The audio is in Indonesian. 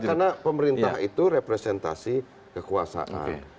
karena pemerintah itu representasi kekuasaan